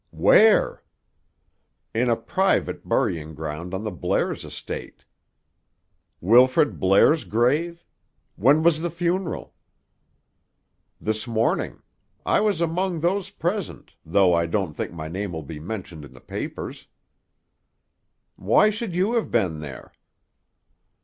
"Where?" "In a private burying ground on the Blairs' estate." "Wilfrid Blair's grave? When was the funeral?" "This morning. I was among those present, though I don't think my name will be mentioned in the papers." "Why should you have been there?"